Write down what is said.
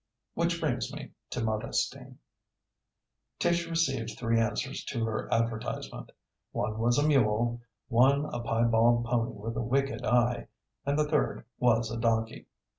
Which brings me to Modestine. Tish received three answers to her advertisement: One was a mule, one a piebald pony with a wicked eye, and the third was a donkey.